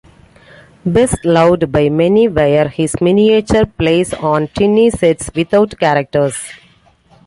Best loved by many were his miniature plays on tiny sets without characters.